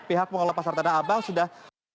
pihak pengelola pasar tanah abang sudah